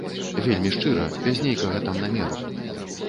Вельмі шчыра, без нейкага там намеру.